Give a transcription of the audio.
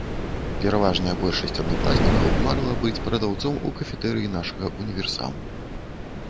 Пераважная большасць аднакласнікаў марыла быць прадаўцом у кафетэрыі нашага ўніверсаму.